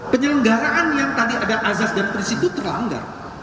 penyelenggaraan yang tadi ada azaz dan prinsip itu terlanggar